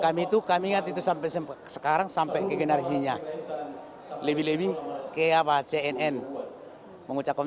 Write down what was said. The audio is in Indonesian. kami itu kami ngerti itu sampai sampai sekarang sampai generasinya lebih lebih ke apa cnn mengucap